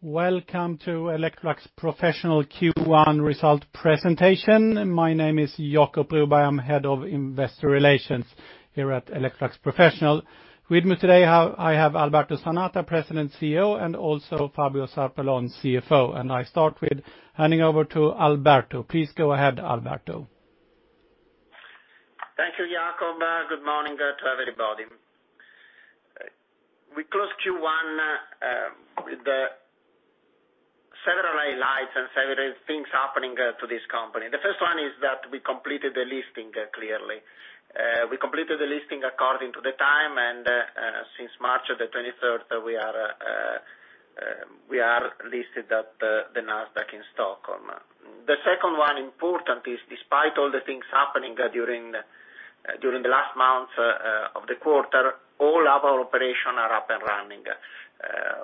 Welcome to Electrolux Professional Q1 Result Presentation. My name is Jacob Broberg, I'm Head of Investor Relations here at Electrolux Professional. With me today, I have Alberto Zanata, President and CEO, and also Fabio Zarpellon, CFO. I start with handing over to Alberto. Please go ahead, Alberto. Thank you, Jacob. Good morning to everybody. We closed Q1 with several highlights and several things happening to this company. The first one is that we completed the listing clearly. We completed the listing according to the time, and since March 23, we are listed at the Nasdaq in Stockholm. The second one important is, despite all the things happening during the last month of the quarter, all of our operations are up and running.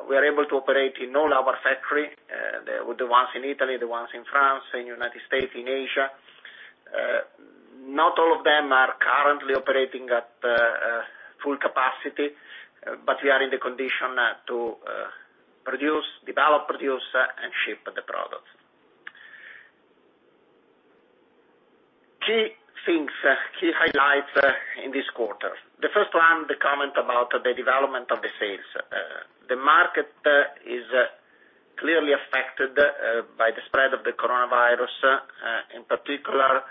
We are able to operate in all of our factories, the ones in Italy, the ones in France, in the United States, in Asia. Not all of them are currently operating at full capacity, but we are in the condition to produce, develop, produce, and ship the products. Key things, key highlights in this quarter. The first one, the comment about the development of the sales. The market is clearly affected by the spread of the coronavirus, in particular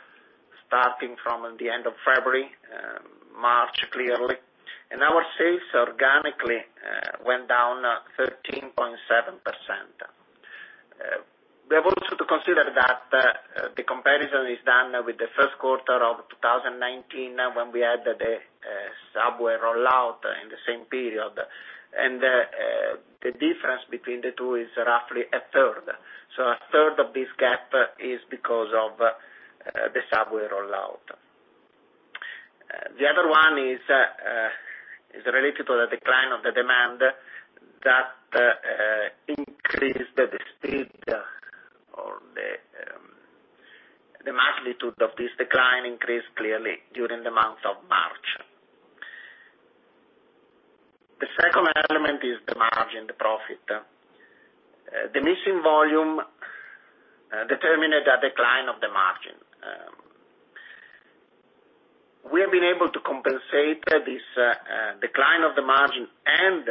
starting from the end of February, March clearly, and our sales organically went down 13.7%. We have also to consider that the comparison is done with the first quarter of 2019 when we had the Subway rollout in the same period, and the difference between the two is roughly a third. A third of this gap is because of the Subway rollout. The other one is related to the decline of the demand that increased, the speed or the magnitude of this decline increased clearly during the month of March. The second element is the margin profit. The missing volume determined a decline of the margin. We have been able to compensate this decline of the margin and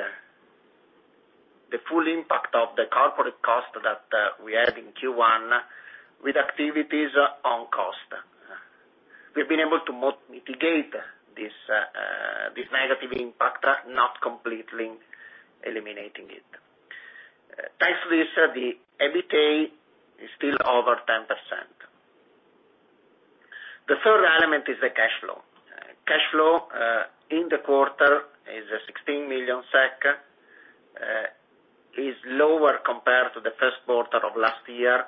the full impact of the corporate cost that we had in Q1 with activities on cost. We have been able to mitigate this negative impact, not completely eliminating it. Thanks to this, the EBITDA is still over 10%. The third element is the cash flow. Cash flow in the quarter is 16 million SEK, is lower compared to the first quarter of last year,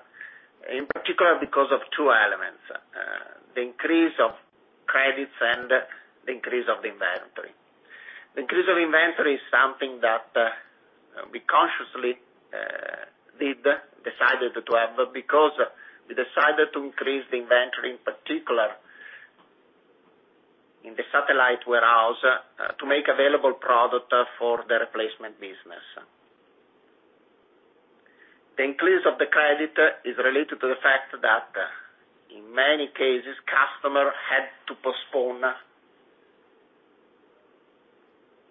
in particular because of two elements: the increase of credits and the increase of the inventory. The increase of inventory is something that we consciously decided to have because we decided to increase the inventory, in particular in the satellite warehouse, to make available product for the replacement business. The increase of the credit is related to the fact that in many cases, customers had to postpone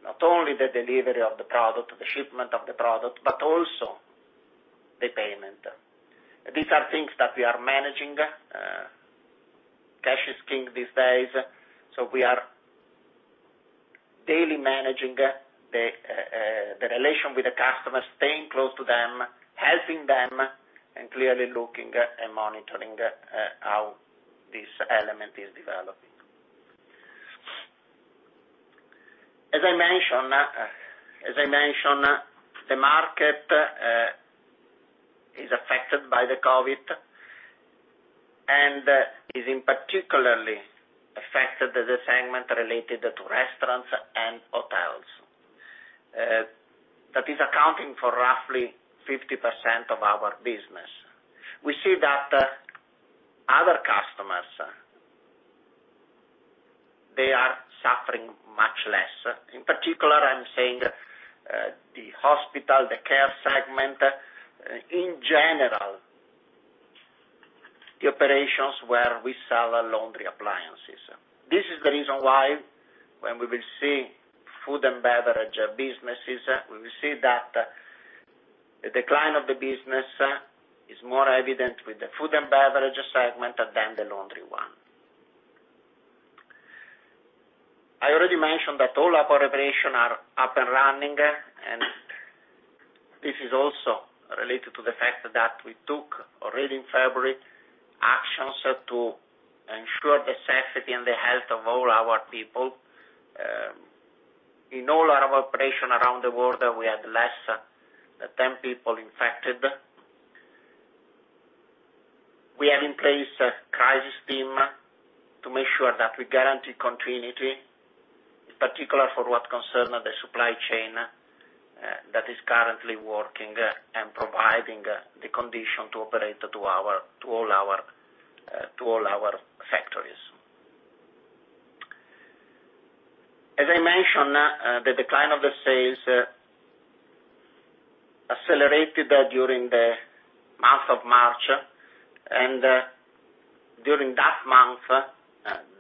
not only the delivery of the product, the shipment of the product, but also the payment. These are things that we are managing. Cash is king these days, so we are daily managing the relation with the customers, staying close to them, helping them, and clearly looking and monitoring how this element is developing. As I mentioned, the market is affected by the COVID and is in particularly affected as a segment related to restaurants and hotels. That is accounting for roughly 50% of our business. We see that other customers, they are suffering much less. In particular, I'm saying the hospital, the care segment, in general, the operations where we sell laundry appliances. This is the reason why when we will see food and beverage businesses, we will see that the decline of the business is more evident with the food and beverage segment than the laundry one. I already mentioned that all of our operations are up and running, and this is also related to the fact that we took already in February actions to ensure the safety and the health of all our people. In all our operations around the world, we had less than 10 people infected. We have in place a crisis team to make sure that we guarantee continuity, in particular for what concerns the supply chain that is currently working and providing the condition to operate to all our factories. As I mentioned, the decline of the sales accelerated during the month of March, and during that month,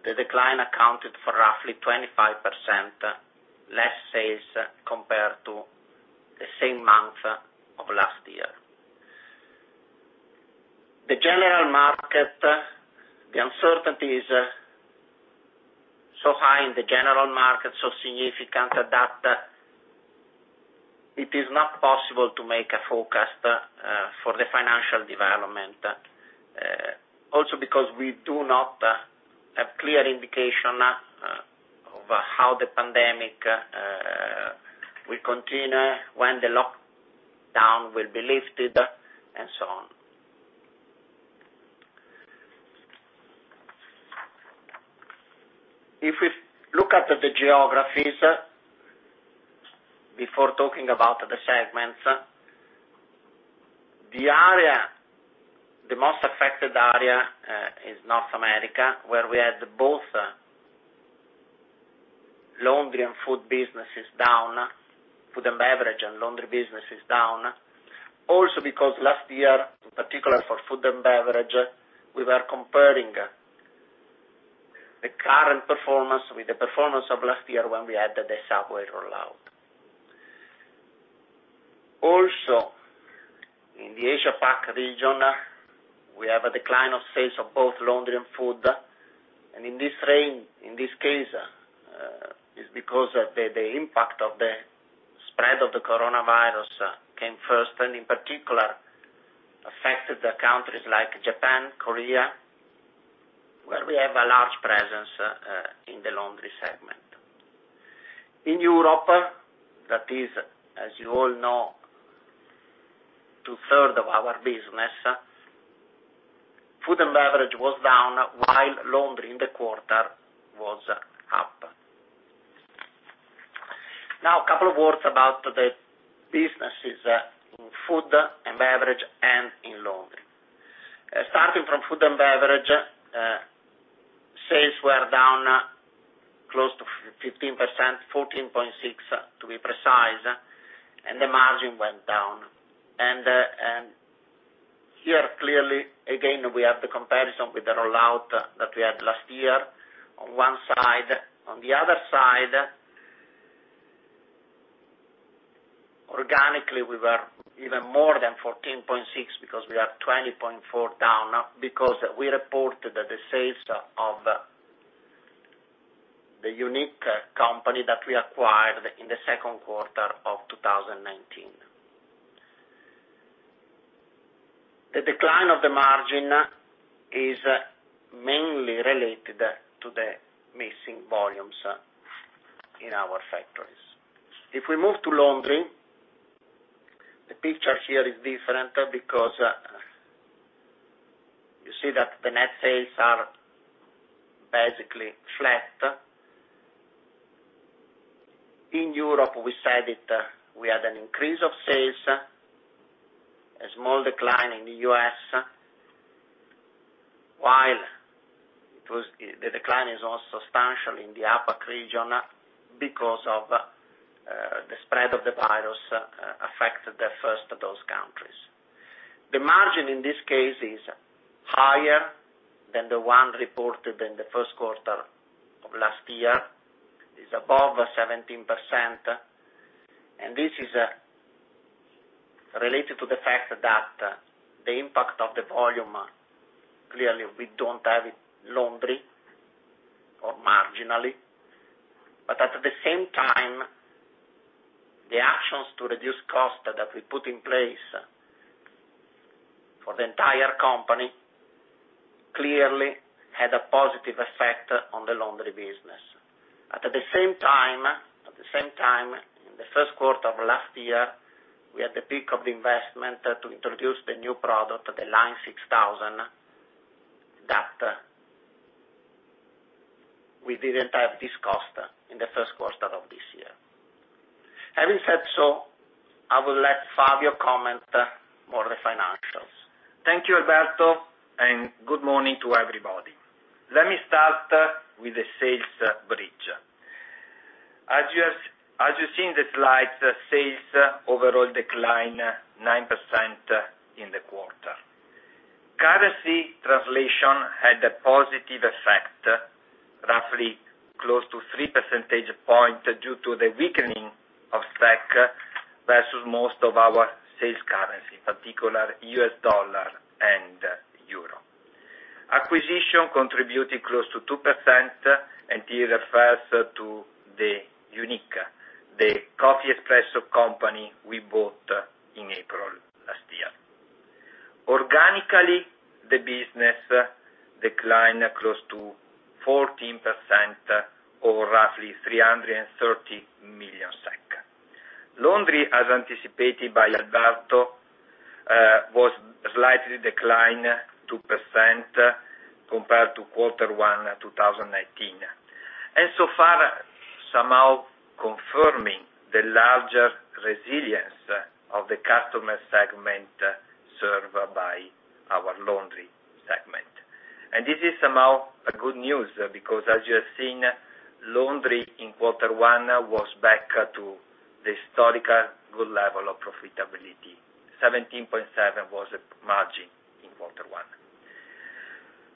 the decline accounted for roughly 25% less sales compared to the same month of last year. The general market, the uncertainty is so high in the general market, so significant that it is not possible to make a forecast for the financial development, also because we do not have clear indication of how the pandemic will continue, when the lockdown will be lifted, and so on. If we look at the geographies before talking about the segments, the most affected area is North America, where we had both laundry and food businesses down, food and beverage and laundry businesses down, also because last year, in particular for food and beverage, we were comparing the current performance with the performance of last year when we had the Subway rollout. Also, in the Asia-Pac region, we have a decline of sales of both laundry and food, and in this case, it's because of the impact of the spread of the coronavirus came first and in particular affected countries like Japan, Korea, where we have a large presence in the laundry segment. In Europe, that is, as you all know, two-thirds of our business, food and beverage was down while laundry in the quarter was up. Now, a couple of words about the businesses in food and beverage and in laundry. Starting from food and beverage, sales were down close to 15%, 14.6% to be precise, and the margin went down. Here clearly, again, we have the comparison with the rollout that we had last year. On one side, on the other side, organically we were even more than 14.6% because we are 20.4% down because we reported the sales of the UNIC company that we acquired in the second quarter of 2019. The decline of the margin is mainly related to the missing volumes in our factories. If we move to laundry, the picture here is different because you see that the net sales are basically flat. In Europe, we said we had an increase of sales, a small decline in the U.S., while the decline is also substantial in the APAC region because of the spread of the virus affected the first of those countries. The margin in this case is higher than the one reported in the first quarter of last year. It's above 17%, and this is related to the fact that the impact of the volume clearly we don't have it laundry or marginally, but at the same time, the actions to reduce cost that we put in place for the entire company clearly had a positive effect on the laundry business. At the same time, in the first quarter of last year, we had the peak of the investment to introduce the new product, the Line 6000, that we didn't have this cost in the first quarter of this year. Having said so, I will let Fabio comment more on the financials. Thank you, Alberto, and good morning to everybody. Let me start with the sales bridge. As you see in the slides, sales overall declined 9% in the quarter. Currency translation had a positive effect, roughly close to 3% points due to the weakening of SEK versus most of our sales currency, in particular US dollar and euro. Acquisition contributed close to 2%, and here refers to the UNIC, the coffee espresso company we bought in April last year. Organically, the business declined close to 14% or roughly 330 million SEK. Laundry, as anticipated by Alberto, was slightly declined 2% compared to quarter one 2019, and so far somehow confirming the larger resilience of the customer segment served by our Laundry segment. This is somehow good news because, as you have seen, Laundry in quarter one was back to the historical good level of profitability. 17.7% was the margin in quarter one.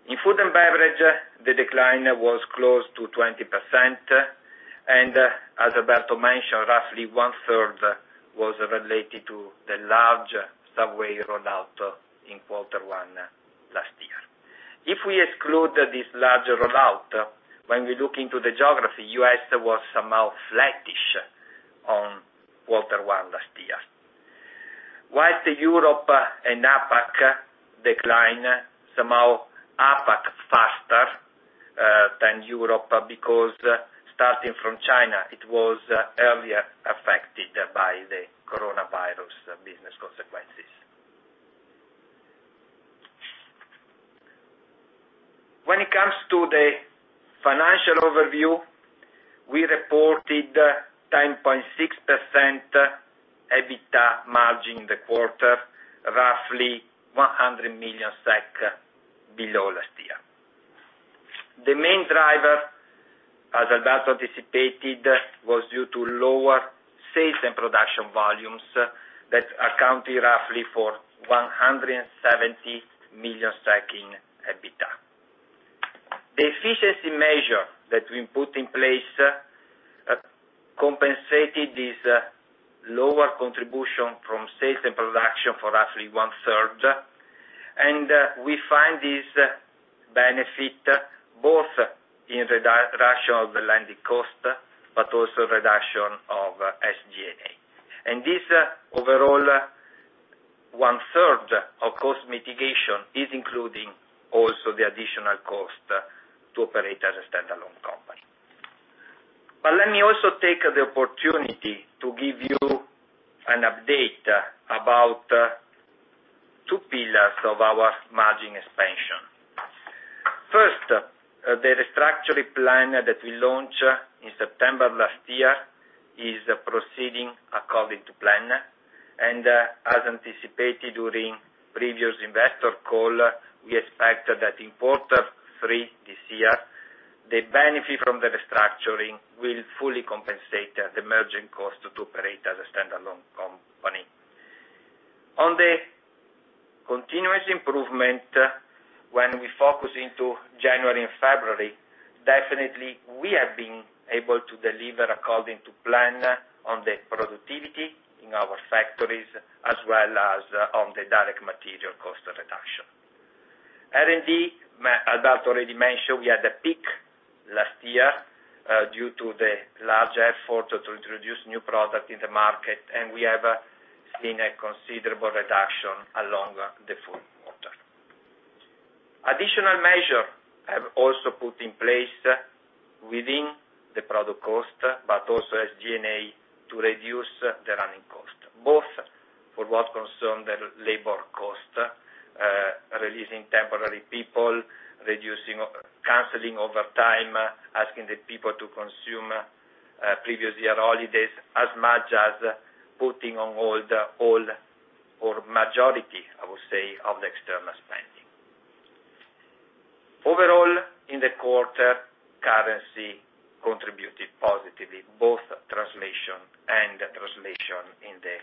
In Food & Beverage, the decline was close to 20%, and as Alberto mentioned, roughly one-third was related to the large Subway rollout in quarter one last year. If we exclude this large rollout, when we look into the geography, US was somehow flattish on quarter one last year. While Europe and APAC decline, somehow APAC faster than Europe because, starting from China, it was earlier affected by the coronavirus business consequences. When it comes to the financial overview, we reported 10.6% EBITDA margin in the quarter, roughly 100 million SEK below last year. The main driver, as Alberto anticipated, was due to lower sales and production volumes that accounted roughly for 170 million in EBITDA. The efficiency measure that we put in place compensated this lower contribution from sales and production for roughly one-third, and we find this benefit both in reduction of the lending cost but also reduction of SG&A. This overall one-third of cost mitigation is including also the additional cost to operate as a standalone company. Let me also take the opportunity to give you an update about two pillars of our margin expansion. First, the restructuring plan that we launched in September last year is proceeding according to plan, and as anticipated during previous investor call, we expect that in quarter three this year, the benefit from the restructuring will fully compensate the merging cost to operate as a standalone company. On the continuous improvement, when we focus into January and February, definitely we have been able to deliver according to plan on the productivity in our factories as well as on the direct material cost reduction. R&D, as Alberto already mentioned, we had a peak last year due to the large effort to introduce new product in the market, and we have seen a considerable reduction along the full quarter. Additional measures have also been put in place within the product cost but also SG&A to reduce the running cost, both for what concerns the labor cost, releasing temporary people, canceling overtime, asking the people to consume previous year holidays as much as putting on hold all or majority, I would say, of the external spending. Overall, in the quarter, currency contributed positively both translation and translation in the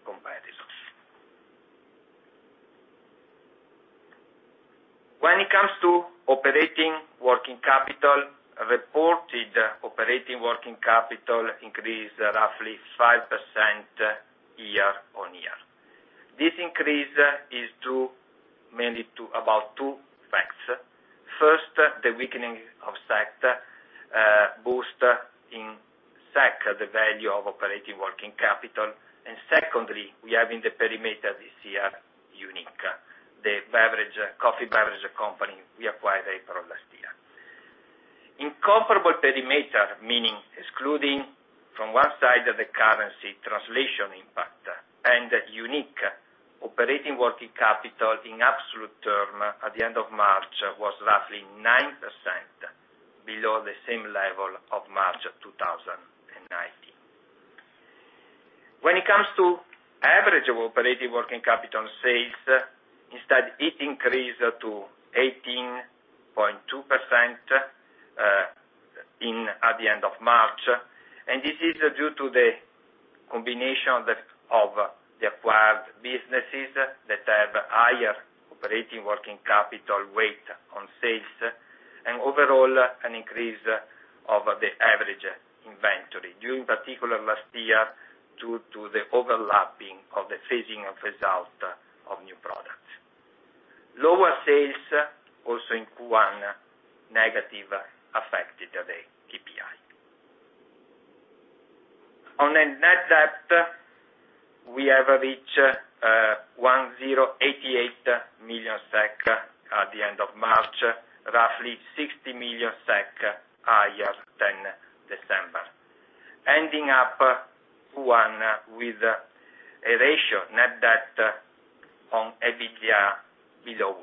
comparisons. When it comes to operating working capital, reported operating working capital increased roughly 5% year-on-year. This increase is mainly due to about two facts. First, the weakening of SEK boosts in SEK the value of operating working capital, and secondly, we have in the perimeter this year UNIC, the coffee beverage company we acquired April last year. In comparable perimeter, meaning excluding from one side the currency translation impact and UNIC operating working capital in absolute term at the end of March was roughly 9% below the same level of March 2019. When it comes to average of operating working capital sales, instead it increased to 18.2% at the end of March, and this is due to the combination of the acquired businesses that have higher operating working capital weight on sales and overall an increase of the average inventory due, in particular, last year due to the overlapping of the phasing of result of new products. Lower sales also in Q1 negative affected the KPI. On net debt, we have reached 1,088 million SEK at the end of March, roughly 60 million SEK higher than December, ending up Q1 with a ratio net debt on EBITDA below 1,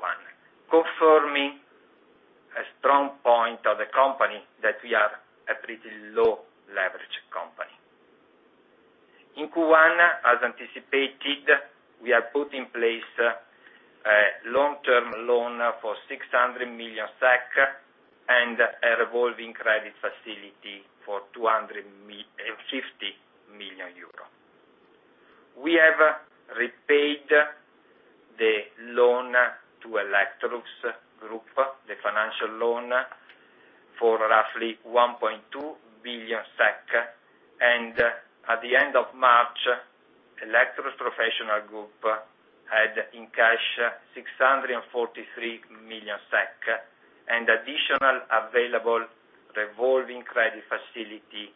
confirming a strong point of the company that we are a pretty low leverage company. In Q1, as anticipated, we have put in place a long-term loan for 600 million SEK and a revolving credit facility for 250 million euro. We have repaid the loan to Electrolux Group, the financial loan, for roughly 1.2 billion SEK, and at the end of March, Electrolux Professional Group had in cash 643 million SEK and additional available revolving credit facility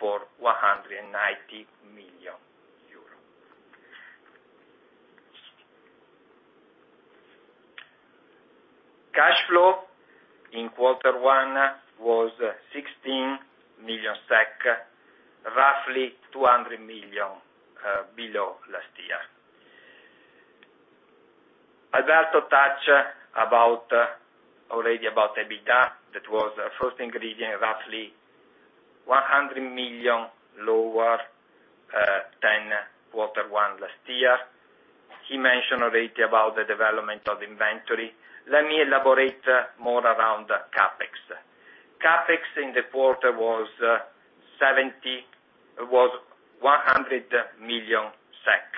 for EUR 190 million. Cash flow in quarter one was 16 million SEK, roughly 200 million below last year. Alberto touched already about EBITDA that was a first ingredient, roughly 100 million lower than quarter one last year. He mentioned already about the development of inventory. Let me elaborate more around CAPEX. CAPEX in the quarter was 100 million SEK.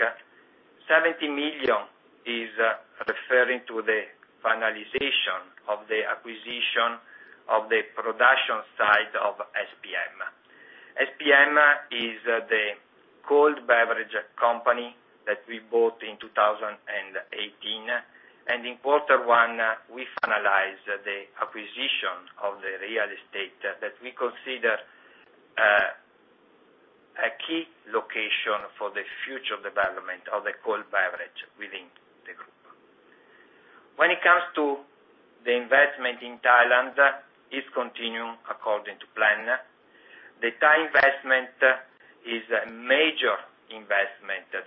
70 million is referring to the finalization of the acquisition of the production side of SPM. SPM is the cold beverage company that we bought in 2018, and in quarter one we finalized the acquisition of the real estate that we consider a key location for the future development of the cold beverage within the group. When it comes to the investment in Thailand, it's continuing according to plan. The Thai investment is a major investment that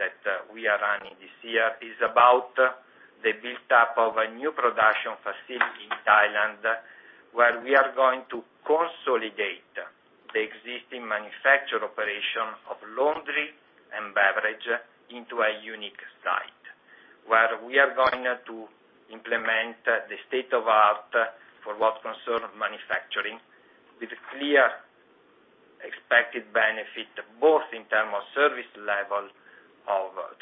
we are running this year. It's about the build-up of a new production facility in Thailand where we are going to consolidate the existing manufacturer operation of laundry and beverage into a unique site where we are going to implement the state of art for what concerns manufacturing with clear expected benefit both in terms of service level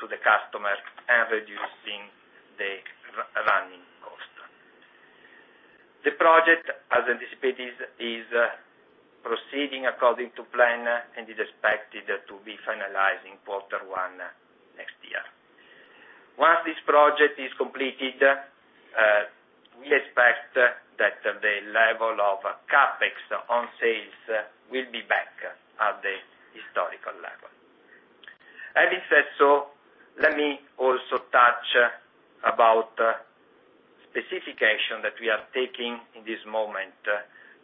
to the customer and reducing the running cost. The project, as anticipated, is proceeding according to plan and is expected to be finalized in quarter one next year. Once this project is completed, we expect that the level of CAPEX on sales will be back at the historical level. Having said so, let me also touch about specification that we are taking in this moment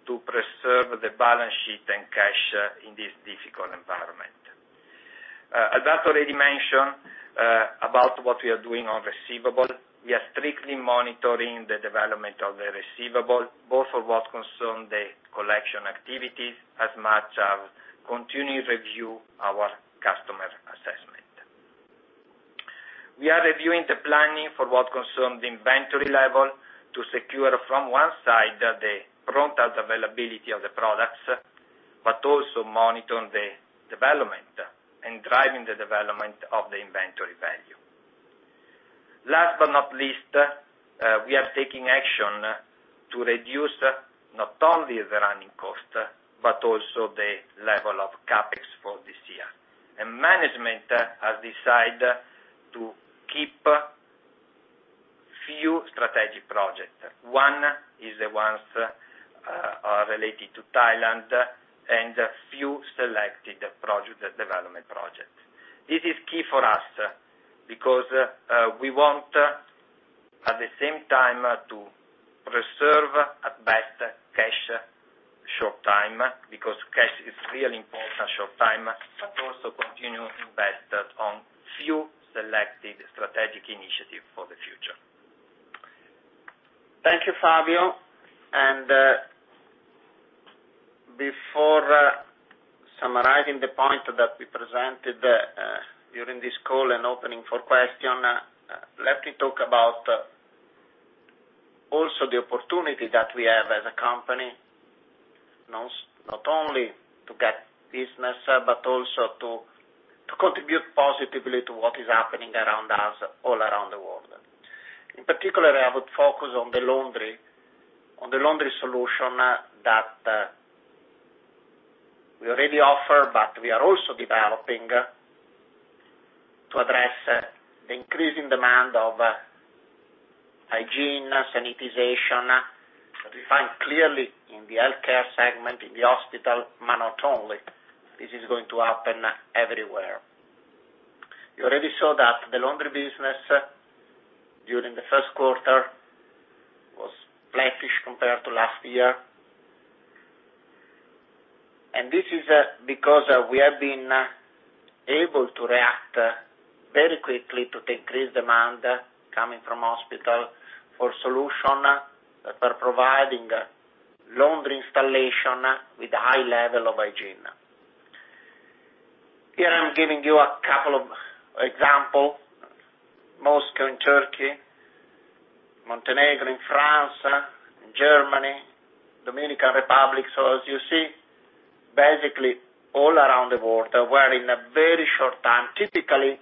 to preserve the balance sheet and cash in this difficult environment. Alberto already mentioned about what we are doing on receivable. We are strictly monitoring the development of the receivable both for what concerns the collection activities as much as continuing review our customer assessment. We are reviewing the planning for what concerns the inventory level to secure from one side the prontous availability of the products but also monitor the development and driving the development of the inventory value. Last but not least, we are taking action to reduce not only the running cost but also the level of CAPEX for this year. Management has decided to keep few strategic projects. One is the ones related to Thailand and few selected development projects. This is key for us because we want at the same time to preserve at best cash short term because cash is really important short term but also continue invested on few selected strategic initiatives for the future. Thank you, Fabio. Before summarizing the point that we presented during this call and opening for question, let me talk about also the opportunity that we have as a company not only to get business but also to contribute positively to what is happening around us all around the world. In particular, I would focus on the laundry solution that we already offer but we are also developing to address the increasing demand of hygiene, sanitization. We find clearly in the healthcare segment, in the hospital, monotonely. This is going to happen everywhere. You already saw that the laundry business during the first quarter was flattish compared to last year. This is because we have been able to react very quickly to the increased demand coming from hospitals for solutions that we're providing, laundry installation with a high level of hygiene. Here I'm giving you a couple of examples: Moscow in Turkey, Montenegro in France, Germany, Dominican Republic. As you see, basically all around the world, we're in a very short time. Typically,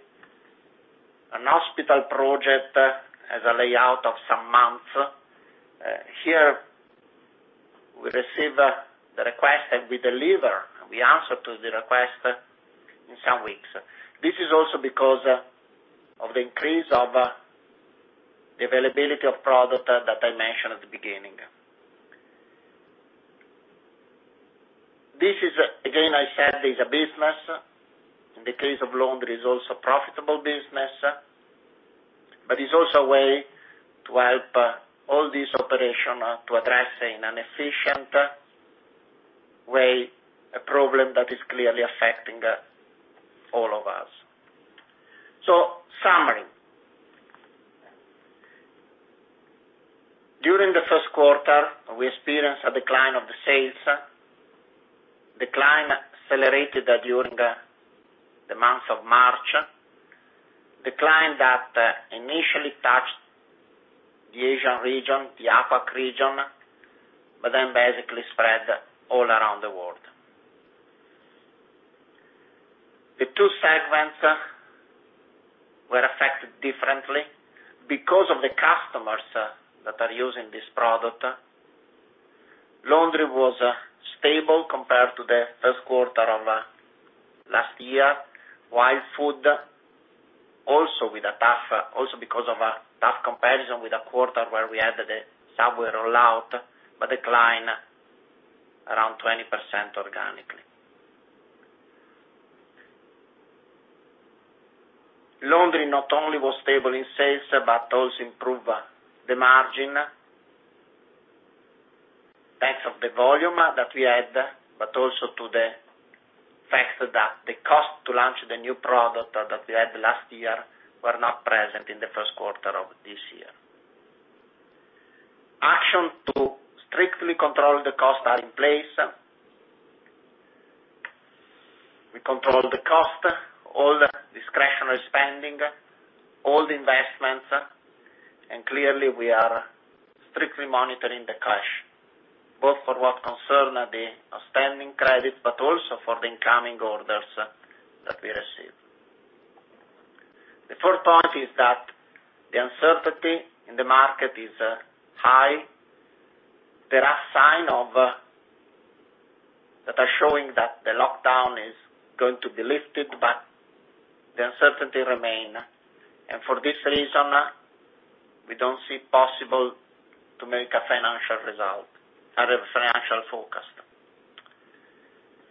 a hospital project has a layout of some months. Here we receive the request and we deliver. We answer to the request in some weeks. This is also because of the increase of the availability of product that I mentioned at the beginning. This is, again, I said, is a business. In the case of laundry, it's also a profitable business, but it's also a way to help all these operations to address in an efficient way a problem that is clearly affecting all of us. Summary. During the first quarter, we experienced a decline of the sales, decline accelerated during the month of March, decline that initially touched the Asian region, the APAC region, but then basically spread all around the world. The two segments were affected differently because of the customers that are using this product. Laundry was stable compared to the first quarter of last year, while food also with a tough, also because of a tough comparison with a quarter where we had the Subway rollout, but decline around 20% organically. Laundry not only was stable in sales but also improved the margin thanks to the volume that we had, but also to the fact that the cost to launch the new product that we had last year were not present in the first quarter of this year. Action to strictly control the cost are in place. We control the cost, all the discretionary spending, all the investments, and clearly we are strictly monitoring the cash both for what concerns the outstanding credits but also for the incoming orders that we receive. The fourth point is that the uncertainty in the market is high. There are signs that are showing that the lockdown is going to be lifted, the uncertainty remains. For this reason, we do not see possible to make a financial result, financial focus.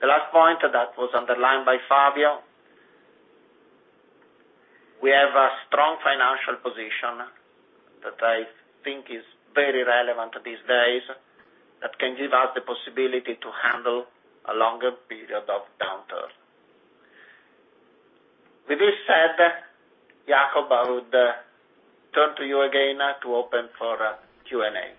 The last point that was underlined by Fabio, we have a strong financial position that I think is very relevant these days that can give us the possibility to handle a longer period of downturn. With this said, Jacob, I would turn to you again to open for Q&A.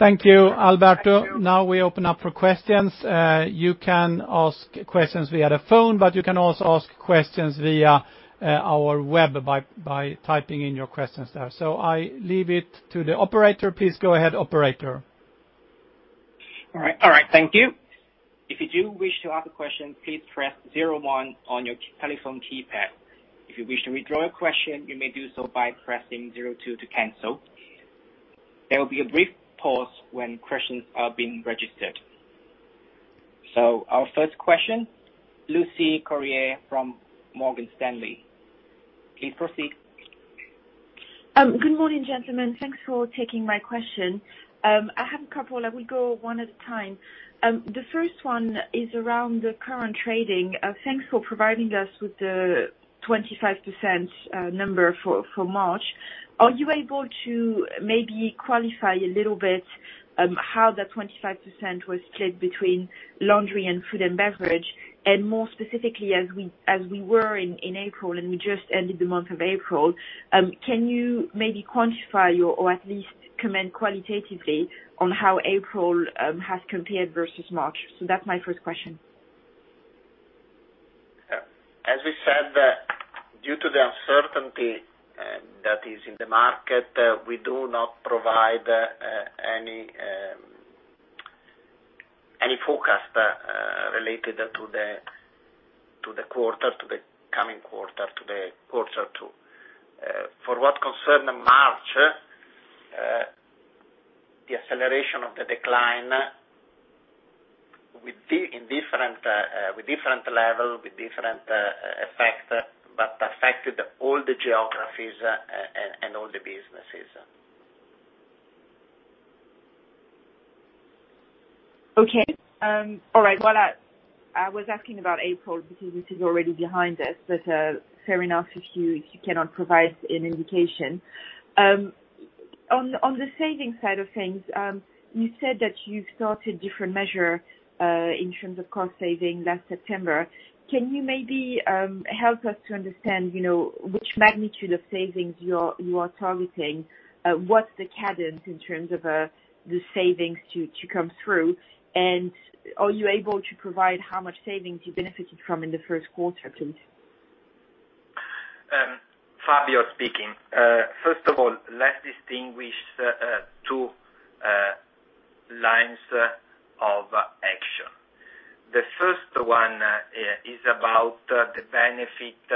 Thank you, Alberto. Now we open up for questions. You can ask questions via the phone, but you can also ask questions via our web by typing in your questions there. I leave it to the operator. Please go ahead, operator. All right. Thank you. If you do wish to ask a question, please press 01 on your telephone keypad. If you wish to withdraw your question, you may do so by pressing 02 to cancel. There will be a brief pause when questions are being registered. Our first question, Lucie Carrier from Morgan Stanley. Please proceed. Good morning, gentlemen. Thanks for taking my question. I have a couple. I will go one at a time. The first one is around the current trading. Thanks for providing us with the 25% number for March. Are you able to maybe qualify a little bit how that 25% was split between laundry and food and beverage, and more specifically as we were in April and we just ended the month of April? Can you maybe quantify or at least comment qualitatively on how April has compared versus March? That is my first question. As we said, due to the uncertainty that is in the market, we do not provide any forecast related to the quarter, to the coming quarter, to the quarter two. For what concerns March, the acceleration of the decline with different levels, with different effects, but affected all the geographies and all the businesses. Okay. All right. I was asking about April because this is already behind us, but fair enough if you cannot provide an indication. On the savings side of things, you said that you started different measures in terms of cost saving last September. Can you maybe help us to understand which magnitude of savings you are targeting? What's the cadence in terms of the savings to come through? Are you able to provide how much savings you benefited from in the first quarter, please? Fabio speaking. First of all, let's distinguish two lines of action. The first one is about the benefit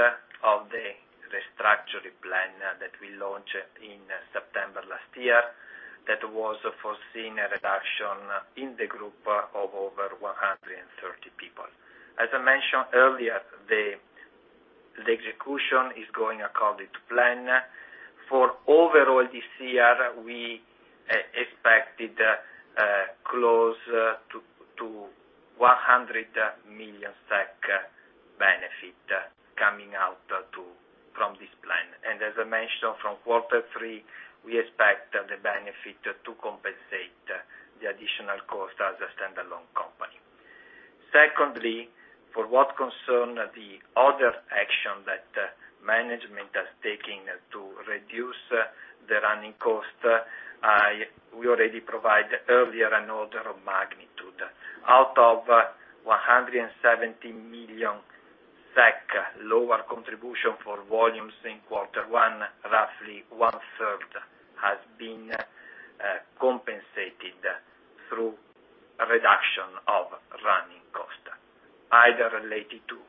of the restructuring plan that we launched in September last year that was foreseeing a reduction in the group of over 130 people. As I mentioned earlier, the execution is going according to plan. For overall this year, we expected close to 100 million SEK benefit coming out from this plan. As I mentioned, from quarter three, we expect the benefit to compensate the additional cost as a standalone company. Secondly, for what concerns the other action that management has taken to reduce the running cost, we already provided earlier an order of magnitude. Out of 170 million SEK lower contribution for volumes in quarter one, roughly one-third has been compensated through reduction of running cost, either related to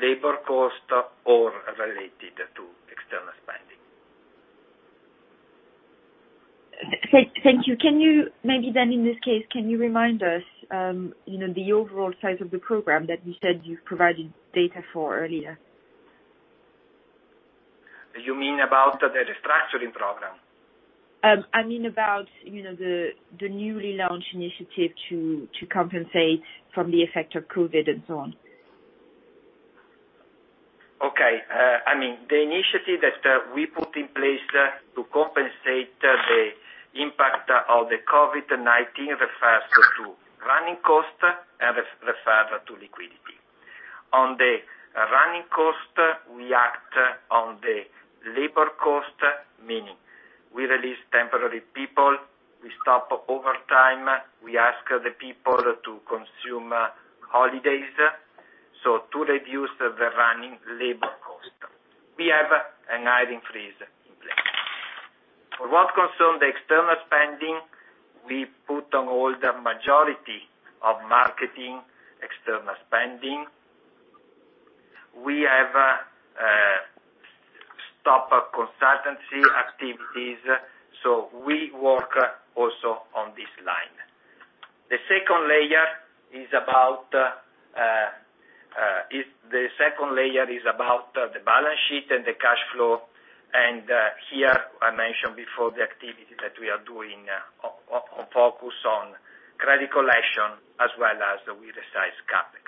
labor cost or related to external spending. Thank you. Can you maybe then in this case, can you remind us the overall size of the program that you said you provided data for earlier? You mean about the restructuring program? I mean about the newly launched initiative to compensate from the effect of COVID and so on. Okay. I mean, the initiative that we put in place to compensate the impact of the COVID-19 refers to running cost and refers to liquidity. On the running cost, we act on the labor cost, meaning we release temporary people, we stop overtime, we ask the people to consume holidays. To reduce the running labor cost, we have an hiring freeze in place. For what concerns the external spending, we put on hold the majority of marketing external spending. We have stopped consultancy activities, so we work also on this line. The second layer is about the balance sheet and the cash flow. Here, I mentioned before the activities that we are doing focus on credit collection as well as we resize CapEx.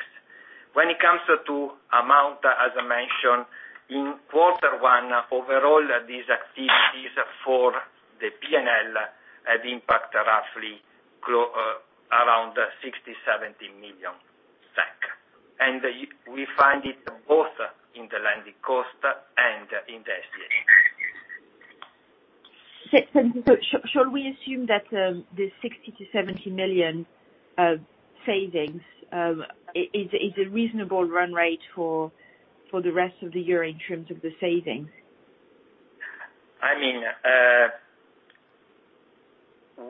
When it comes to amount, as I mentioned, in quarter one, overall these activities for the P&L had impact roughly around 60-70 million SEK. And we find it both in the lending cost and in the SG&A. So shall we assume that the 60-70 million savings is a reasonable run rate for the rest of the year in terms of the savings? I mean,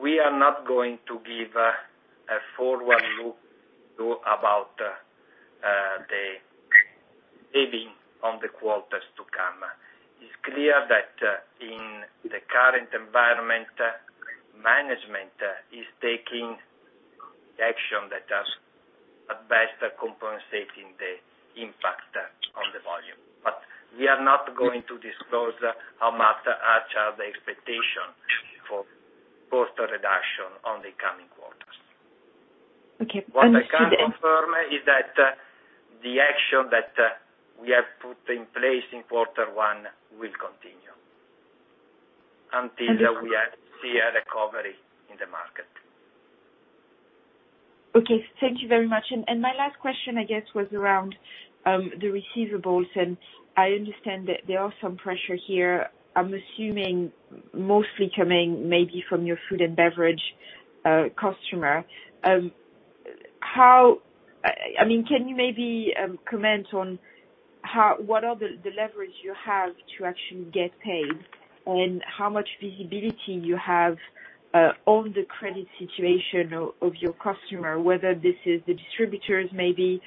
we are not going to give a forward look about the savings on the quarters to come. It's clear that in the current environment, management is taking action that are at best compensating the impact on the volume. But we are not going to disclose how much are the expectations for cost reduction on the coming quarters. What I can confirm is that the action that we have put in place in quarter one will continue until we see a recovery in the market. Okay. Thank you very much. My last question, I guess, was around the receivables. I understand that there are some pressures here, I'm assuming mostly coming maybe from your Food & Beverage customer. I mean, can you maybe comment on what are the leverage you have to actually get paid and how much visibility you have on the credit situation of your customer, whether this is the distributors maybe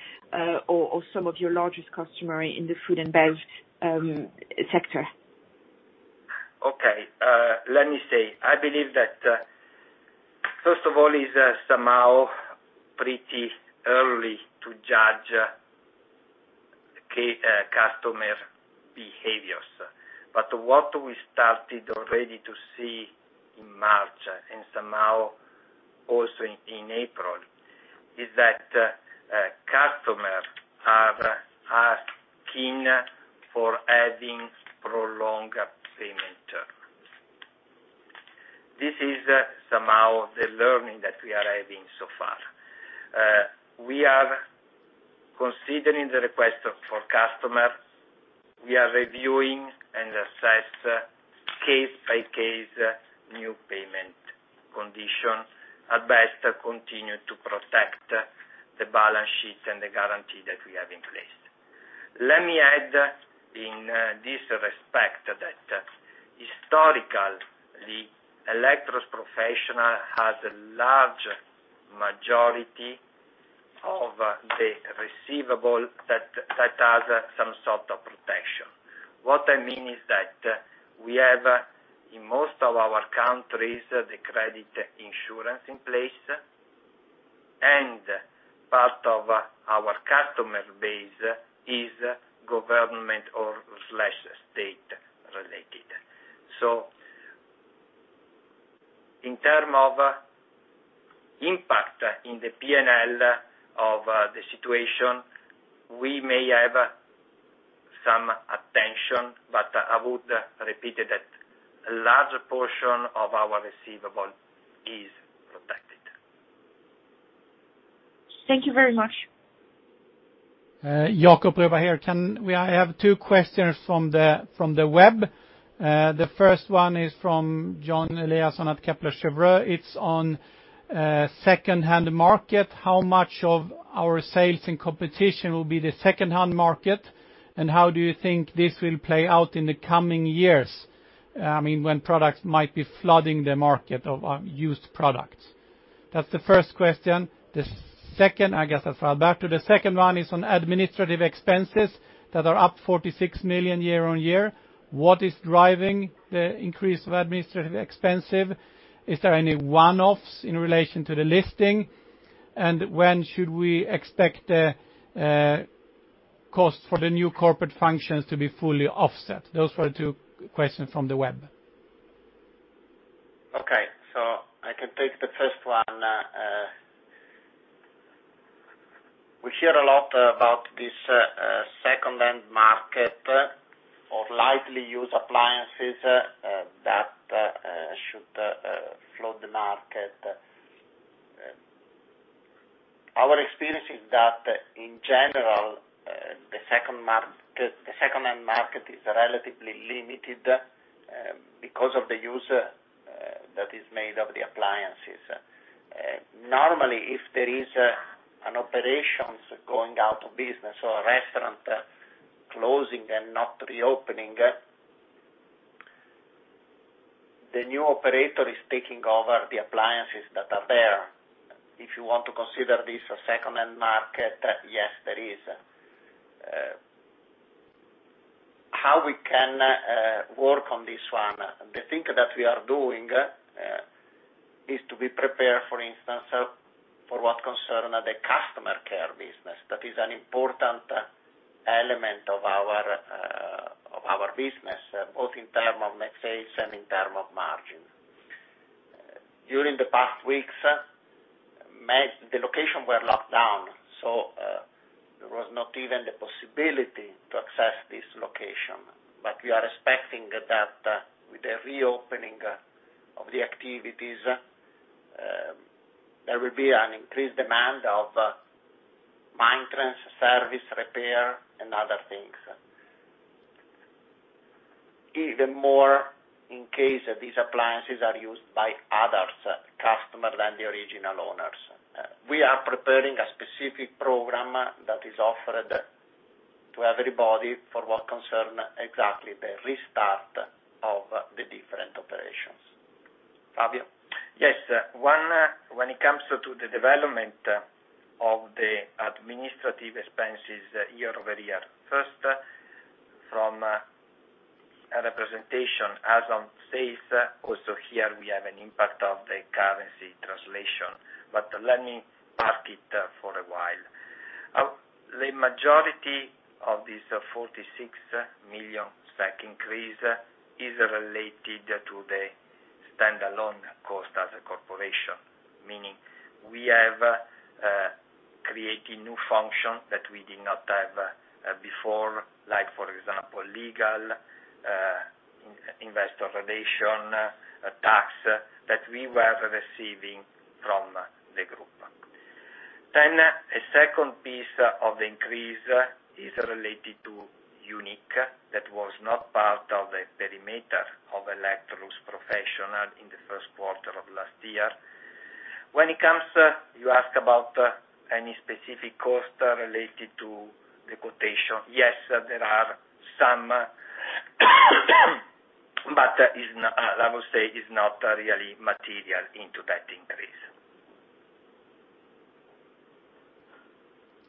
or some of your largest customers in the Food & Beverage sector? Okay. Let me say, I believe that first of all, it's somehow pretty early to judge customer behaviors. What we started already to see in March and somehow also in April is that customers are keen for having prolonged payment terms. This is somehow the learning that we are having so far. We are considering the request for customers. We are reviewing and assessing case-by-case new payment condition at best to continue to protect the balance sheet and the guarantee that we have in place. Let me add in this respect that historically, Electrolux Professional has a large majority of the receivable that has some sort of protection. What I mean is that we have in most of our countries the credit insurance in place, and part of our customer base is government or state-related. In terms of impact in the P&L of the situation, we may have some attention, but I would repeat that a large portion of our receivable is protected. Thank you very much. Jacob Broberg here. I have two questions from the web. The first one is from Johan Eliasson at Kepler Cheuvreux. It's on second-hand market. How much of our sales and competition will be the second-hand market, and how do you think this will play out in the coming years? I mean, when products might be flooding the market of used products. That's the first question. I guess that's for Alberto. The second one is on administrative expenses that are up 46 million year on year. What is driving the increase of administrative expenses? Is there any one-offs in relation to the listing? And when should we expect the cost for the new corporate functions to be fully offset? Those were the two questions from the web. Okay. I can take the first one. We hear a lot about this second-hand market or likely used appliances that should flood the market. Our experience is that in general, the second-hand market is relatively limited because of the use that is made of the appliances. Normally, if there is an operation going out of business or a restaurant closing and not reopening, the new operator is taking over the appliances that are there. If you want to consider this a second-hand market, yes, there is. How we can work on this one, the thing that we are doing is to be prepared, for instance, for what concerns the customer care business. That is an important element of our business, both in terms of net sales and in terms of margin. During the past weeks, the location was locked down, so there was not even the possibility to access this location. We are expecting that with the reopening of the activities, there will be an increased demand of maintenance, service, repair, and other things, even more in case these appliances are used by other customers than the original owners. We are preparing a specific program that is offered to everybody for what concerns exactly the restart of the different operations. Fabio? Yes. When it comes to the development of the administrative expenses year over year, first from a representation as on sales, also here we have an impact of the currency translation. Let me park it for a while. The majority of this 46 million SEK increase is related to the standalone cost as a corporation, meaning we have created new functions that we did not have before, like for example, legal, investor relation, tax that we were receiving from the group. A second piece of the increase is related to UNIC that was not part of the perimeter of Electrolux Professional in the first quarter of last year. When it comes to you ask about any specific cost related to the quotation, yes, there are some, but I will say it's not really material into that increase.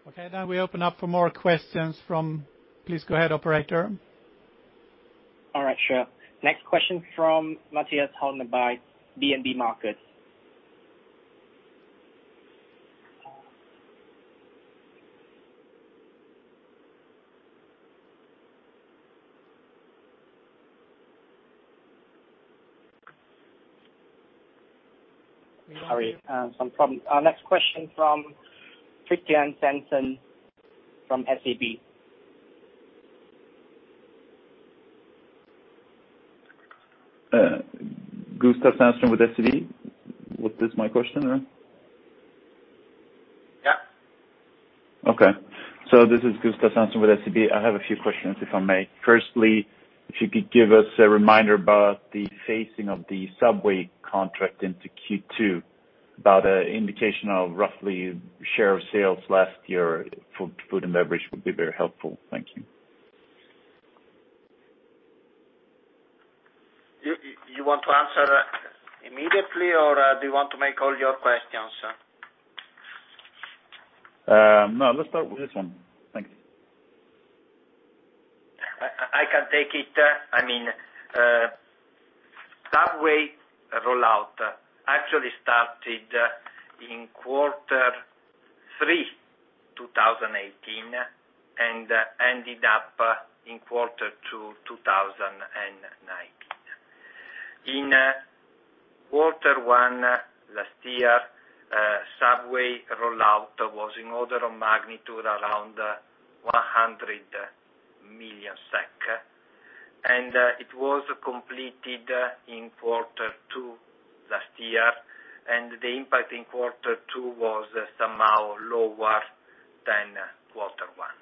Okay. Now we open up for more questions from please go ahead, Operator. All right. Sure. Next question from Mattias Holmberg by DNB Markets. Sorry, some problem. Our next question from Gustav Hageus from SEB. Gustav Hageus with SEB. Was this my question hour? Yeah. Okay. This is Gustav Hageus with SEB. I have a few questions if I may. Firstly, if you could give us a reminder about the phasing of the Subway contract into Q2, about an indication of roughly share of sales last year for Food & Beverage would be very helpful. Thank you. You want to answer that immediately or do you want to make all your questions? No. Let's start with this one. Thanks. I can take it. I mean, Subway rollout actually started in quarter three 2018 and ended up in quarter two 2019. In quarter one last year, Subway rollout was in order of magnitude around 100 million SEK. It was completed in quarter two last year. The impact in quarter two was somehow lower than quarter one.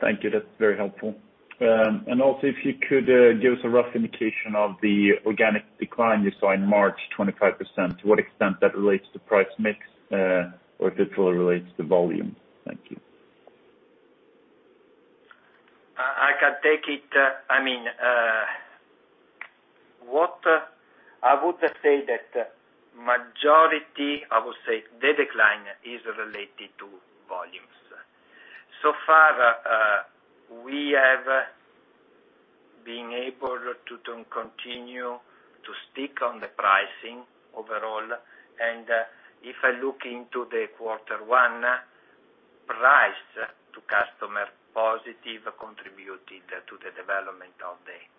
Thank you. That's very helpful. Also, if you could give us a rough indication of the organic decline you saw in March, 25%, to what extent that relates to price mix or if it fully relates to volume. Thank you. I can take it. I mean, I would say that majority, I will say the decline is related to volumes. So far, we have been able to continue to stick on the pricing overall. If I look into the quarter one, price to customer positive contributed to the development of the EBITDA.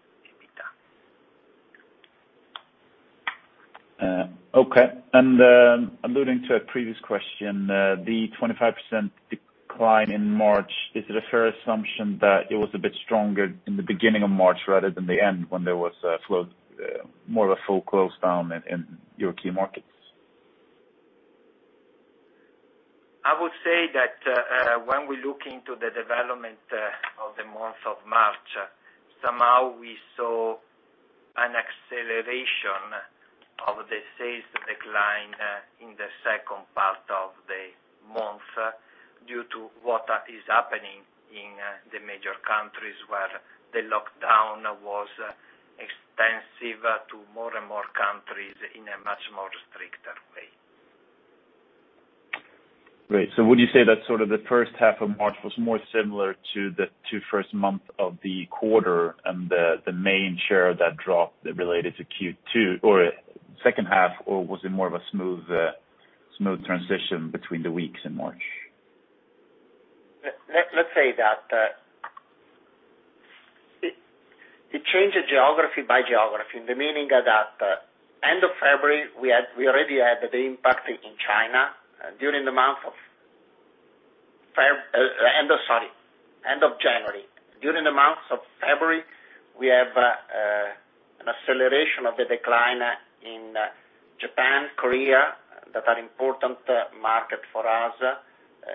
Okay. Alluding to a previous question, the 25% decline in March, is it a fair assumption that it was a bit stronger in the beginning of March rather than the end when there was more of a full close down in your key markets? I would say that when we look into the development of the month of March, somehow we saw an acceleration of the sales decline in the second part of the month due to what is happening in the major countries where the lockdown was extensive to more and more countries in a much more stricter way. Right. Would you say that sort of the first half of March was more similar to the first month of the quarter and the main share that dropped related to Q2 or second half, or was it more of a smooth transition between the weeks in March? Let's say that it changed geography by geography, in the meaning that end of February, we already had the impact in China. During the month of, sorry, end of January. During the month of February, we have an acceleration of the decline in Japan, Korea that are important markets for us,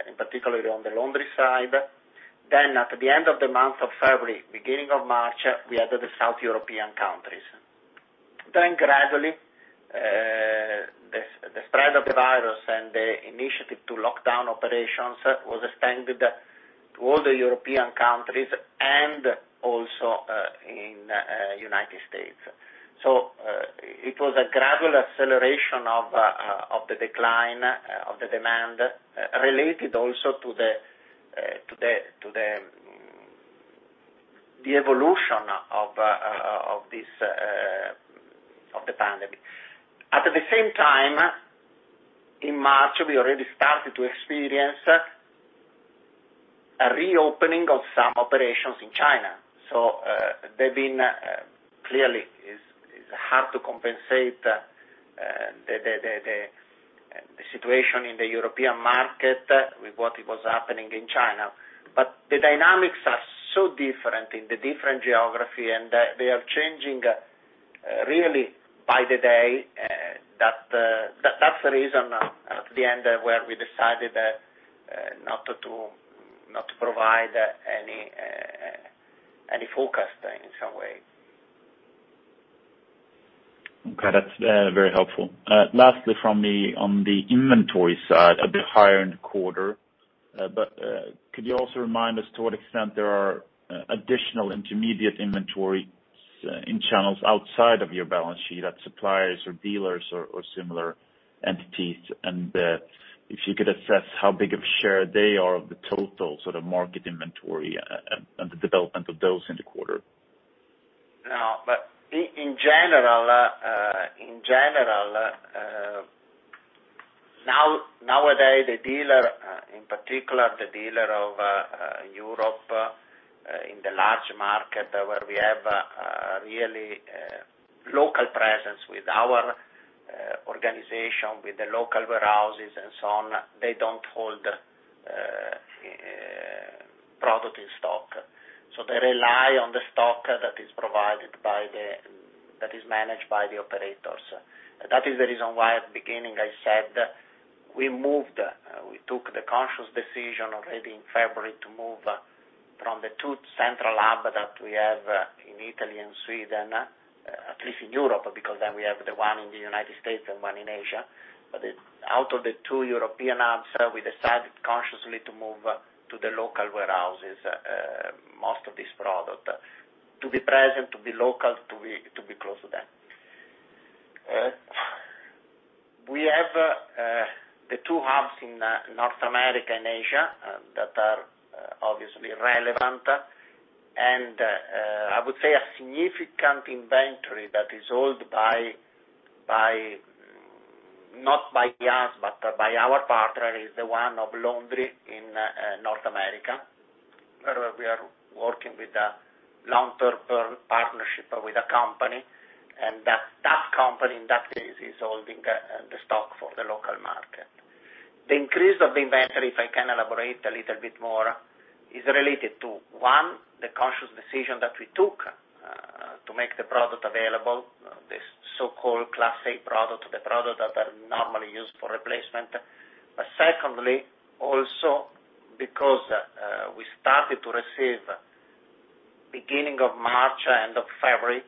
in particularly on the laundry side. At the end of the month of February, beginning of March, we had the South European countries. Gradually, the spread of the virus and the initiative to lockdown operations was extended to all the European countries and also in the United States. It was a gradual acceleration of the decline of the demand related also to the evolution of the pandemic. At the same time, in March, we already started to experience a reopening of some operations in China. Clearly, it's hard to compensate the situation in the European market with what was happening in China. The dynamics are so different in the different geography, and they are changing really by the day. That's the reason at the end where we decided not to provide any focus in some way. Okay. That's very helpful. Lastly, from the inventory side, a bit higher in the quarter. Could you also remind us to what extent there are additional intermediate inventories in channels outside of your balance sheet at suppliers or dealers or similar entities? If you could assess how big of a share they are of the total sort of market inventory and the development of those in the quarter. In general, nowadays, the dealer, in particular the dealer of Europe in the large market where we have really local presence with our organization, with the local warehouses and so on, they don't hold product in stock. They rely on the stock that is provided by the that is managed by the operators. That is the reason why at the beginning I said we moved. We took the conscious decision already in February to move from the two central hubs that we have in Italy and Sweden, at least in Europe, because we have the one in the United States and one in Asia. Out of the two European hubs, we decided consciously to move to the local warehouses most of this product to be present, to be local, to be close to them. We have the two hubs in North America and Asia that are obviously relevant. I would say a significant inventory that is held not by us, but by our partner, is the one of laundry in North America, where we are working with a long-term partnership with a company. That company, in that case, is holding the stock for the local market. The increase of the inventory, if I can elaborate a little bit more, is related to, one, the conscious decision that we took to make the product available, this so-called Class A product, the product that are normally used for replacement. Secondly, also because we started to receive beginning of March and of February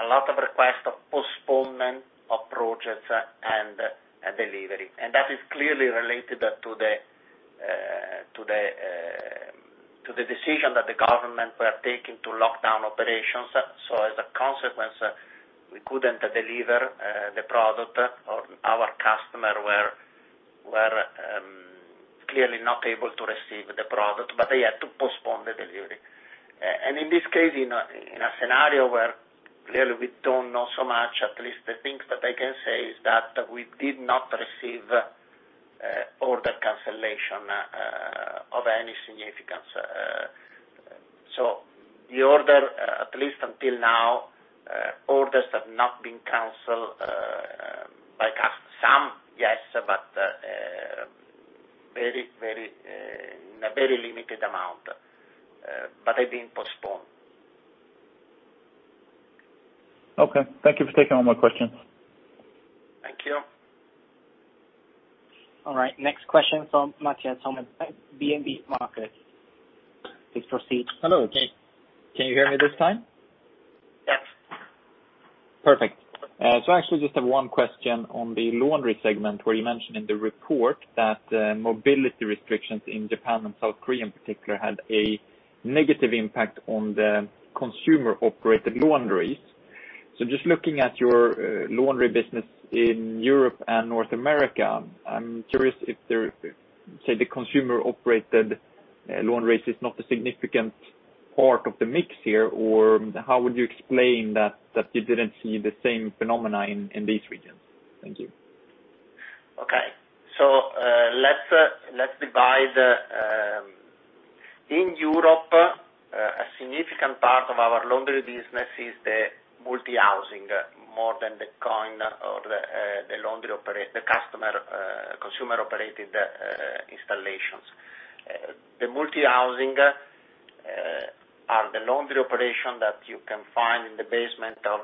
a lot of requests of postponement of projects and delivery. That is clearly related to the decision that the government were taking to lock down operations. As a consequence, we couldn't deliver the product, or our customers were clearly not able to receive the product, but they had to postpone the delivery. In this case, in a scenario where clearly we don't know so much, at least the things that I can say is that we did not receive order cancellation of any significance. The order, at least until now, orders have not been canceled by customers. Some, yes, but in a very limited amount. They have been postponed. Okay. Thank you for taking all my questions. Thank you. All right. Next question from Mattias Holmberg with DNB market. Please proceed. Hello. Can you hear me this time? Yes. Perfect. I actually just have one question on the Laundry segment where you mentioned in the report that mobility restrictions in Japan and South Korea in particular had a negative impact on the consumer-operated laundries. Just looking at your laundry business in Europe and North America, I'm curious if, say, the consumer-operated laundries is not a significant part of the mix here, or how would you explain that you did not see the same phenomena in these regions? Thank you. Okay. Let's divide. In Europe, a significant part of our laundry business is the multi-housing, more than the coin or the laundry customer-operated installations. The multi-housing are the laundry operation that you can find in the basement of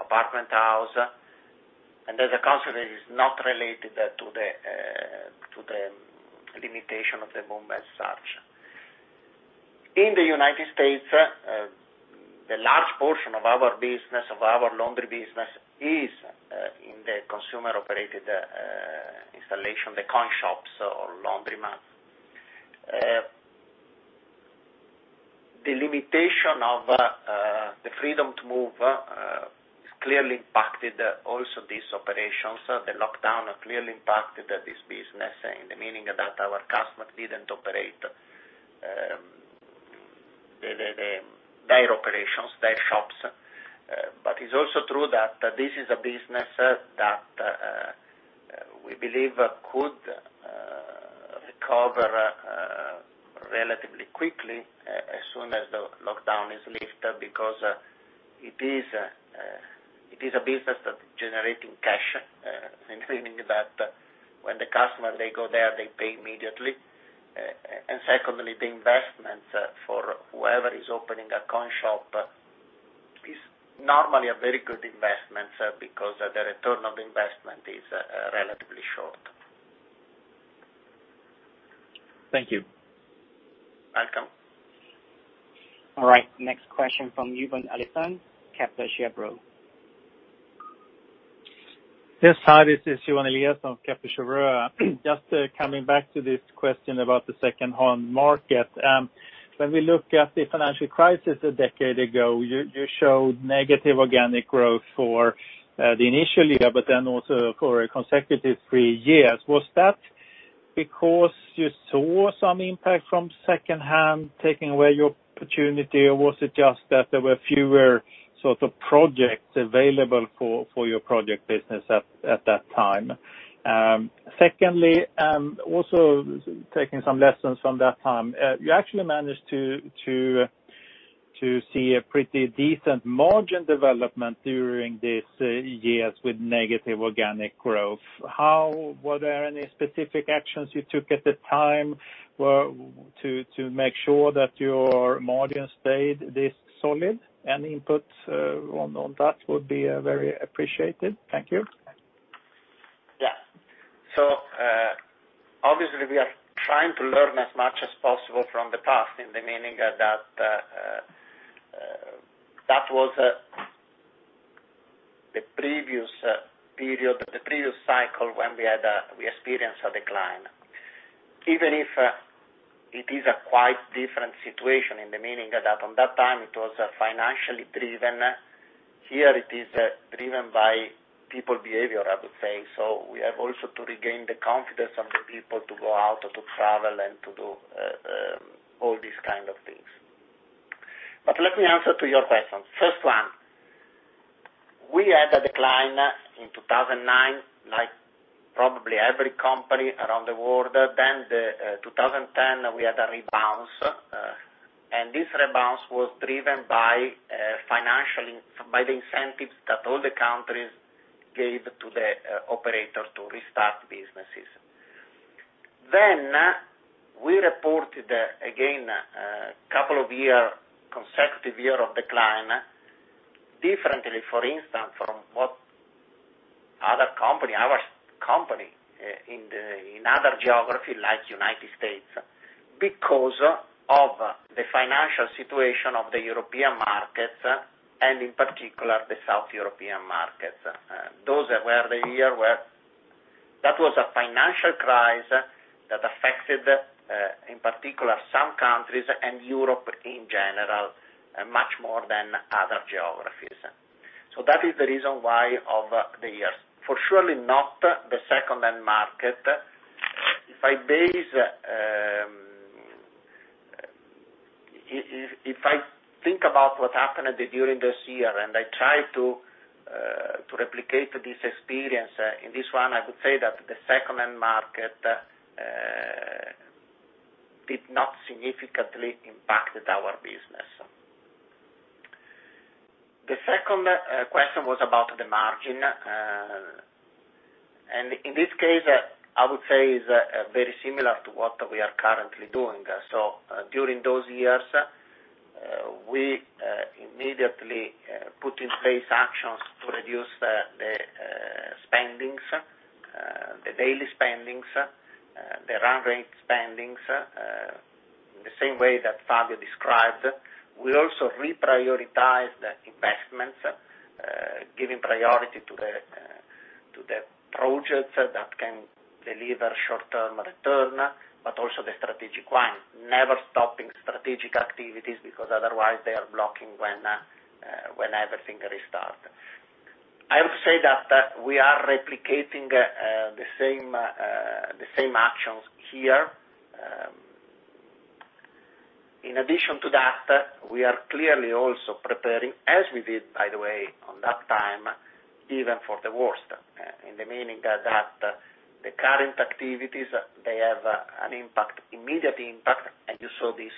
apartment house. As a consequence, it's not related to the limitation of the boom as such. In the U.S., the large portion of our business, of our laundry business, is in the consumer-operated installation, the coin shops or laundromats. The limitation of the freedom to move clearly impacted also these operations. The lockdown clearly impacted this business, in the meaning that our customers didn't operate their operations, their shops. It is also true that this is a business that we believe could recover relatively quickly as soon as the lockdown is lifted because it is a business that is generating cash, in the meaning that when the customer, they go there, they pay immediately. Secondly, the investment for whoever is opening a coin shop is normally a very good investment because the return of investment is relatively short. Thank you. Welcome. All right. Next question from Johan Eliasson, Kepler Cheuvreux. Yes. Hi. This is Johan Eliasson of Kepler Cheuvreux. Just coming back to this question about the second-hand market. When we look at the financial crisis a decade ago, you showed negative organic growth for the initial year, but then also for consecutive three years. Was that because you saw some impact from second-hand taking away your opportunity, or was it just that there were fewer sort of projects available for your project business at that time? Secondly, also taking some lessons from that time, you actually managed to see a pretty decent margin development during these years with negative organic growth. Were there any specific actions you took at the time to make sure that your margin stayed this solid? Any input on that would be very appreciated. Thank you. Yeah. Obviously, we are trying to learn as much as possible from the past, in the meaning that that was the previous period, the previous cycle when we experienced a decline. Even if it is a quite different situation, in the meaning that on that time, it was financially driven. Here, it is driven by people behavior, I would say. We have also to regain the confidence of the people to go out and to travel and to do all these kinds of things. Let me answer your question. First, we had a decline in 2009, like probably every company around the world. In 2010, we had a rebound. This rebound was driven by the incentives that all the countries gave to the operators to restart businesses. We reported again a couple of consecutive years of decline differently, for instance, from what other companies, our company in other geographies like the United States, because of the financial situation of the European markets and in particular the South European markets. Those were the years where that was a financial crisis that affected, in particular, some countries and Europe in general much more than other geographies. That is the reason why of the years. For surely not the second-hand market. If I think about what happened during this year and I try to replicate this experience, in this one, I would say that the second-hand market did not significantly impact our business. The second question was about the margin. In this case, I would say it's very similar to what we are currently doing. During those years, we immediately put in place actions to reduce the spendings, the daily spendings, the run rate spendings, in the same way that Fabio described. We also reprioritized investments, giving priority to the projects that can deliver short-term return, but also the strategic ones, never stopping strategic activities because otherwise they are blocking when everything restarts. I would say that we are replicating the same actions here. In addition to that, we are clearly also preparing, as we did, by the way, on that time, even for the worst, in the meaning that the current activities, they have an immediate impact. You saw this,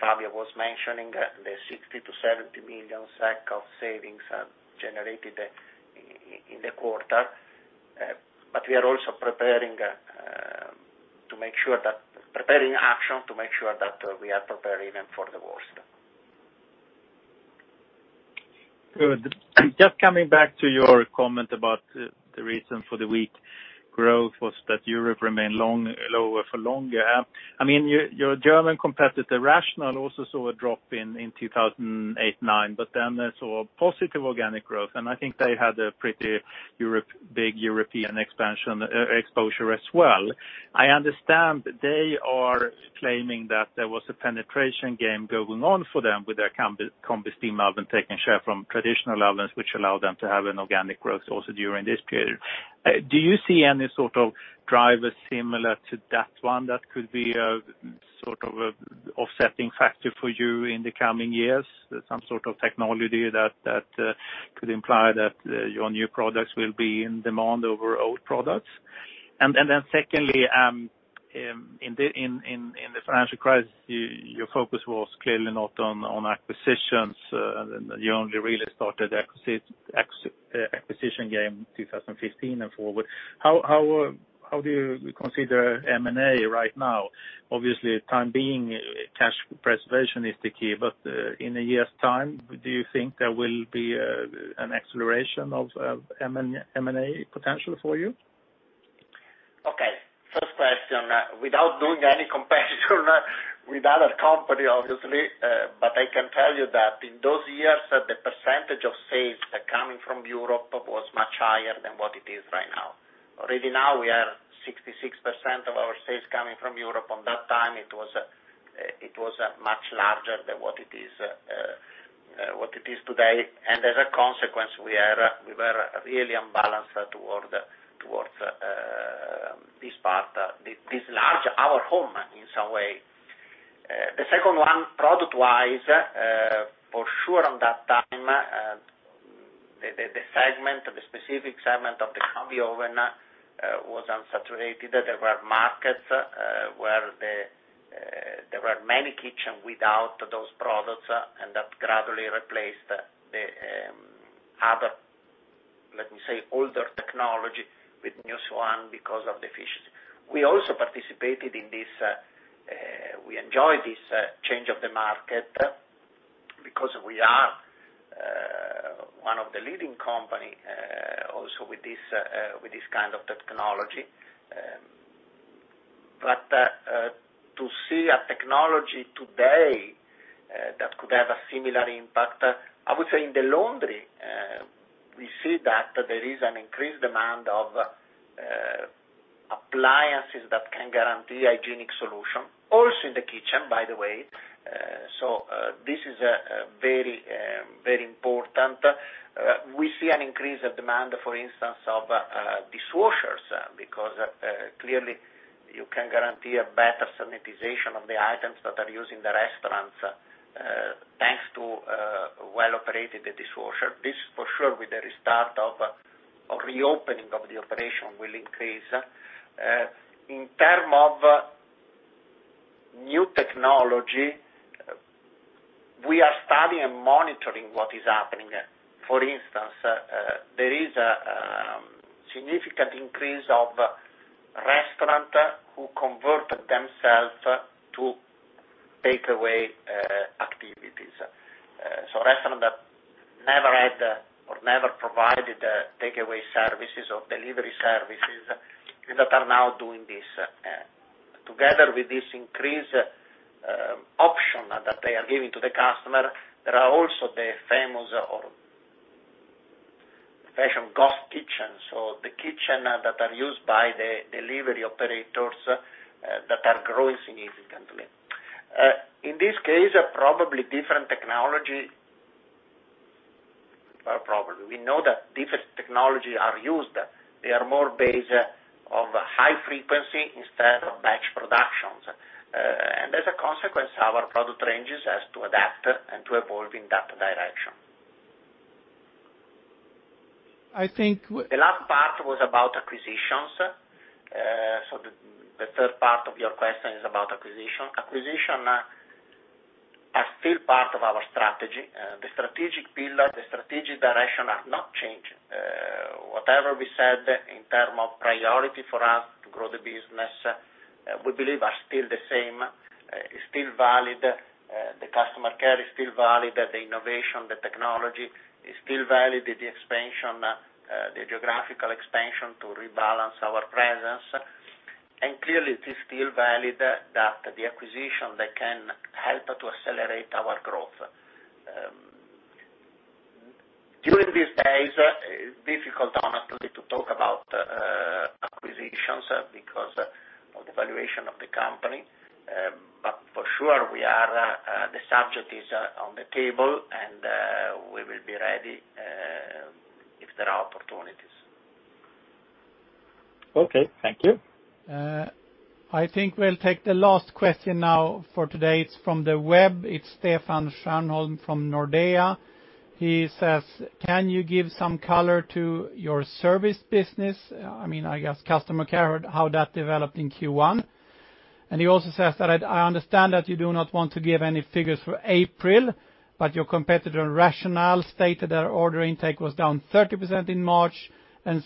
Fabio was mentioning, the 60-70 million of savings generated in the quarter. We are also preparing to make sure that preparing action to make sure that we are preparing for the worst. Good. Just coming back to your comment about the reason for the weak growth was that Europe remained lower for longer. I mean, your German competitor, Rational, also saw a drop in 2008-2009, but then saw positive organic growth. I think they had a pretty big European exposure as well. I understand they are claiming that there was a penetration game going on for them with their Combi oven taking share from traditional ovens, which allowed them to have an organic growth also during this period. Do you see any sort of drivers similar to that one that could be a sort of offsetting factor for you in the coming years, some sort of technology that could imply that your new products will be in demand over old products? Secondly, in the financial crisis, your focus was clearly not on acquisitions. You only really started the acquisition game in 2015 and forward. How do you consider M&A right now? Obviously, time being, cash preservation is the key. In a year's time, do you think there will be an acceleration of M&A potential for you? Okay. First question, without doing any comparison with other companies, obviously, but I can tell you that in those years, the percentage of sales coming from Europe was much higher than what it is right now. Already now, we are 66% of our sales coming from Europe. On that time, it was much larger than what it is today. As a consequence, we were really unbalanced towards this part, this large our home in some way. The second one, product-wise, for sure on that time, the specific segment of the Combi oven was unsaturated. There were markets where there were many kitchens without those products, and that gradually replaced the other, let me say, older technology with newer ones because of the efficiency. We also participated in this. We enjoyed this change of the market because we are one of the leading companies also with this kind of technology. To see a technology today that could have a similar impact, I would say in the laundry, we see that there is an increased demand of appliances that can guarantee hygienic solutions, also in the kitchen, by the way. This is very important. We see an increase of demand, for instance, of dishwashers because clearly you can guarantee a better sanitization of the items that are used in the restaurants thanks to well-operated dishwashers. This, for sure, with the restart or reopening of the operation will increase. In terms of new technology, we are studying and monitoring what is happening. For instance, there is a significant increase of restaurants who converted themselves to takeaway activities. Restaurants that never had or never provided takeaway services or delivery services and that are now doing this. Together with this increased option that they are giving to the customers, there are also the famous or fashion ghost kitchens. The kitchens that are used by the delivery operators are growing significantly. In this case, probably different technology or probably we know that different technologies are used. They are more based on high frequency instead of batch productions. As a consequence, our product ranges have to adapt and to evolve in that direction. I think the last part was about acquisitions. The third part of your question is about acquisition. Acquisitions are still part of our strategy. The strategic pillar, the strategic direction are not changing. Whatever we said in terms of priority for us to grow the business, we believe are still the same. It is still valid. The customer care is still valid. The innovation, the technology is still valid. The geographical expansion to rebalance our presence. Clearly, it is still valid that the acquisition can help to accelerate our growth. During these days, it's difficult, honestly, to talk about acquisitions because of the valuation of the company. For sure, the subject is on the table, and we will be ready if there are opportunities. Okay. Thank you. I think we'll take the last question now for today. It's from the web. It's Stefan Stjernholm from Nordea. He says, "Can you give some color to your service business?" I mean, I guess customer care, how that developed in Q1. He also says that, "I understand that you do not want to give any figures for April, but your competitor, Rational, stated that order intake was down 30% in March and 60%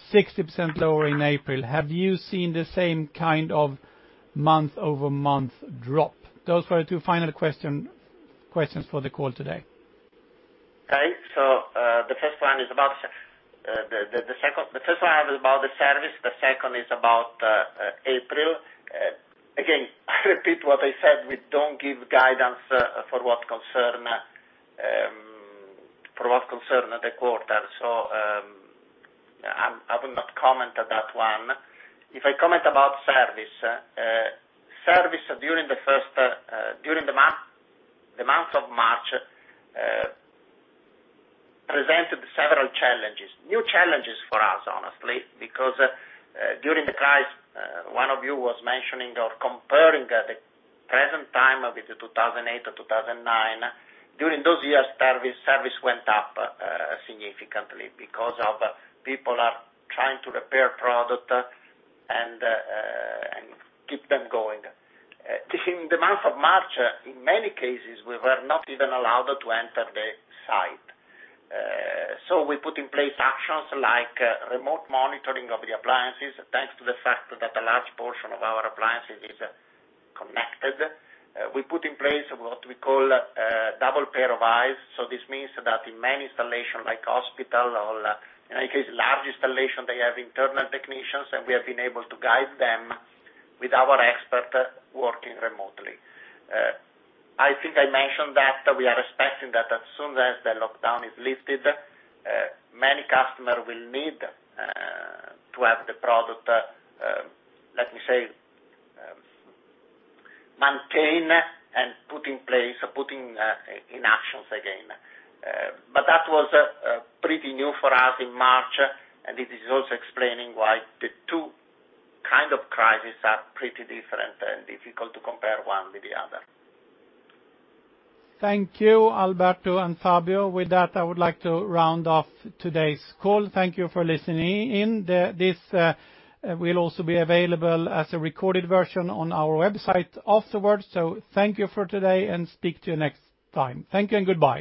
lower in April. Have you seen the same kind of month-over-month drop? Those were the two final questions for the call today. Okay. The first one is about the second. The first one was about the service. The second is about April. Again, I repeat what I said. We do not give guidance for what concerns the quarter. I will not comment on that one. If I comment about service, service during the month of March presented several challenges, new challenges for us, honestly, because during the crisis, one of you was mentioning or comparing the present time with 2008 or 2009. During those years, service went up significantly because people are trying to repair products and keep them going. In the month of March, in many cases, we were not even allowed to enter the site. We put in place actions like remote monitoring of the appliances thanks to the fact that a large portion of our appliances is connected. We put in place what we call double pair of eyes. This means that in many installations, like hospital or in any case, large installations, they have internal technicians, and we have been able to guide them with our expert working remotely. I think I mentioned that we are expecting that as soon as the lockdown is lifted, many customers will need to have the product, let me say, maintained and put in place or put in actions again. That was pretty new for us in March, and it is also explaining why the two kinds of crises are pretty different and difficult to compare one with the other. Thank you, Alberto and Fabio. With that, I would like to round off today's call. Thank you for listening in. This will also be available as a recorded version on our website afterwards. Thank you for today and speak to you next time. Thank you and goodbye.